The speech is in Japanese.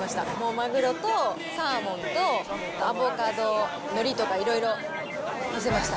マグロとサーモンと、アボカド、のりとかいろいろ載せました。